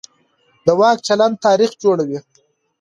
د واک چلند تاریخ جوړوي